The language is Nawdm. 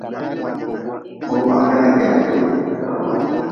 Fogʼban benah keda kule.